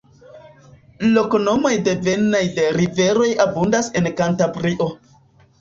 Loknomoj devenaj de riveroj abundas en Kantabrio.